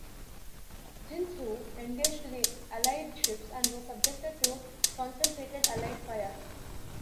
"Jintsu" engaged the Allied ships and was subjected to concentrated Allied fire.